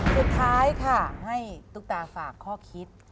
สุดท้ายค่ะให้ตุ๊กตาฝากข้อคิด